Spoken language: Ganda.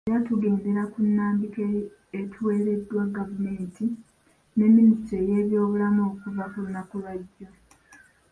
Era tugendera ku nnambika etuweereddwa gavumenti ne minisitule ey'ebyobulamu okuva ku lunaku lwa jjo.